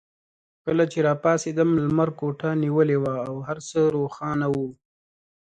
کله چې راپاڅېدم لمر کوټه نیولې وه او هر څه روښانه وو.